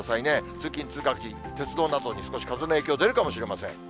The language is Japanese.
通勤・通学時、鉄道などに少し風の影響、出るかもしれません。